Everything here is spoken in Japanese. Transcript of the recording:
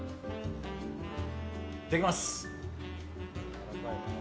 いただきます。